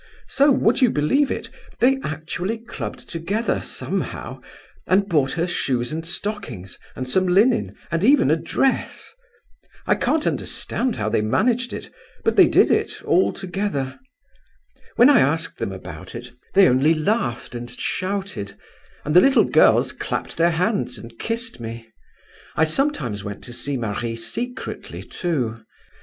So, would you believe it, they actually clubbed together, somehow, and bought her shoes and stockings, and some linen, and even a dress! I can't understand how they managed it, but they did it, all together. When I asked them about it they only laughed and shouted, and the little girls clapped their hands and kissed me. I sometimes went to see Marie secretly, too.